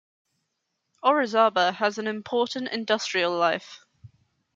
Orizaba has an important industrial life.